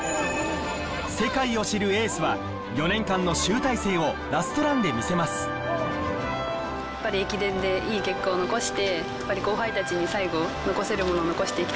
世界を知るエースは４年間の集大成をラストランで見せます頑張りたいと思います。